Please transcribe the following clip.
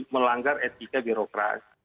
melanggar etika birokrasi